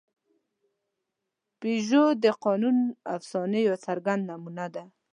پيژو د قانوني افسانې یوه څرګنده نمونه ده.